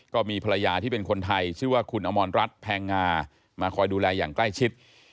ก็มีภรรยาที่เป็นคนไทยชื่อว่าคุณอมรรัฐแพงงามาคอยดูแลอย่างใกล้ชิด